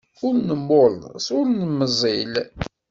Ur nemmurḍes ur nemzil.